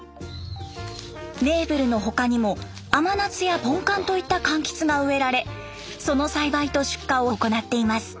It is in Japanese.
ネーブルの他にも甘夏やポンカンといった柑橘が植えられその栽培と出荷を行っています。